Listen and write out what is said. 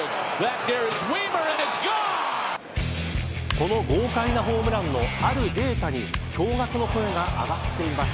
この豪快なホームランのあるデータに驚がくの声が上がっています。